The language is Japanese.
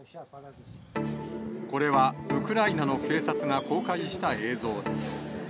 これはウクライナの警察が公開した映像です。